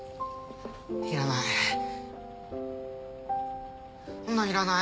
いらない。